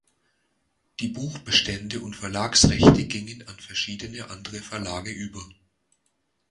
Die Buchbestände und Verlagsrechte gingen an verschiedene andere Verlage über.